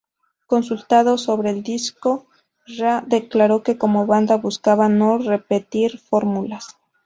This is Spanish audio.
Consultado sobre el disco, Rha declaró que como banda buscaban "no repetir fórmulas".